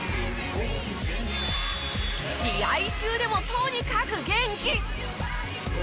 試合中でもとにかく元気！